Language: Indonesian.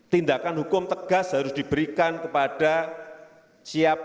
tindakan hukum tegas harus diberikan kepada siapa